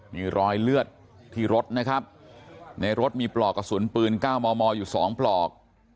มีรอยเลือดที่รถนะครับในรถมีปลอกกระสุนปืน๙มมอยู่๒ปลอก